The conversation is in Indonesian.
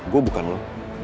gue bukan lo